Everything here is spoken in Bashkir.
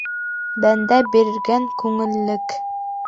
Бәндә биргән күңеллек.